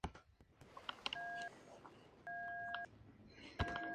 Su principal atracción es el río São Francisco, que atraviesa su territorio.